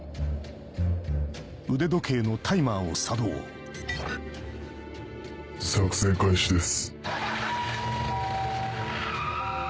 作戦開始です。